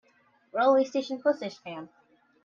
Railway station Postage stamp.